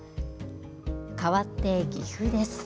かわって岐阜です。